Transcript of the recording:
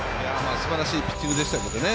すばらしいピッチングでしたけどね。